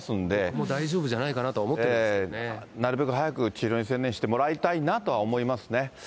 もう大丈夫じゃないかなとはなるべく早く治療に専念してもらいたいなとは思いますね。